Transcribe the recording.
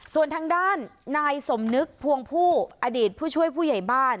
ส่วนทางด้านนายสมนึกพวงผู้อดีตผู้ช่วยผู้ใหญ่บ้าน